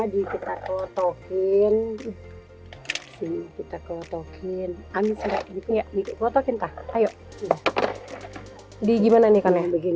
di kita kotokin kita kotokin angin seperti itu ya dikotokin tak ayo di gimana nih karena begini